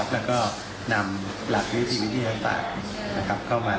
และก็นำหลักวิทยาศาสตร์เข้ามา